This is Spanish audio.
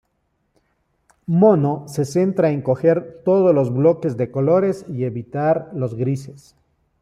Mono se centra en coger todos los bloques de colores y evitar los grises.